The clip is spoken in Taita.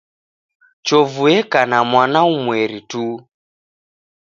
Chovu eka na mwana umweri tu.